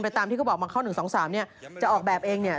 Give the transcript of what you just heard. ตามที่เขาบอกมาเข้า๑๒๓เนี่ยจะออกแบบเองเนี่ย